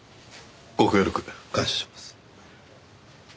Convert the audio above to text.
ご協力感謝します。